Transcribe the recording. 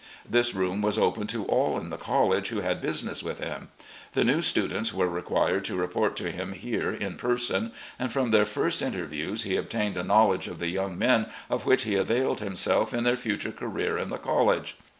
This room was open to all in the college who had business with him. The new students were required to report to him here in person, and from their first interviews he obtained a knowledge of the young men of which he availed himself in their future career in the college.